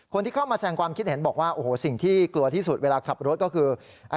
คนที่เข้ามาแสงความคิดเห็นบอกว่าโอ้โหสิ่งที่กลัวที่สุดเวลาขับรถก็คือ